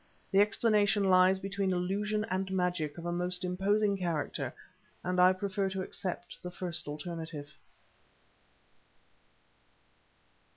The explanation lies between illusion and magic of a most imposing character, and I prefer to accept the first alternative.